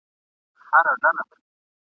دا بیرغ نن ورځ یوازي له منظور پښتین سره دی !.